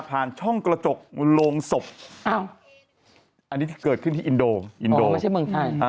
ผ่านช่องกระจกลงศพอันนี้เกิดขึ้นที่อินโดอ่อไม่ใช่เมืองไทย